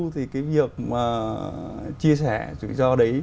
thì cái việc mà chia sẻ rủi ro đấy